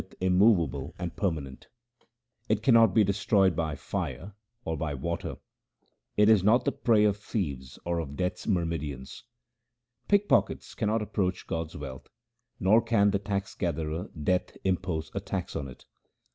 HYMNS OF GURU RAM DAS 333 immovable and permanent ; it cannot be destroyed by fire or by water ; it is not the prey of thieves or of Death's myrmidons. Pickpockets cannot approach God's wealth, nor can the tax gatherer Death impose a tax on it.